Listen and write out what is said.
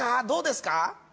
どうですか？